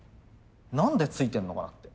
何でついてんのかなって。